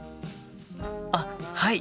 あっはい！